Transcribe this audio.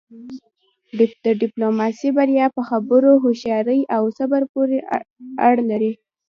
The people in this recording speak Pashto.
د ډیپلوماسی بریا په خبرو، هوښیارۍ او صبر پورې اړه لری.